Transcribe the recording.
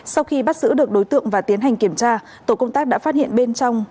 sau khi bắt giữ được đối tượng và tiến hành kiểm tra tổ công tác đã phát hiện bên trong